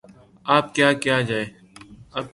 اب کیا کیا جائے؟